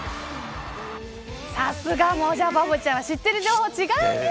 さすが、もじゃバボちゃんは知っている情報が違うね。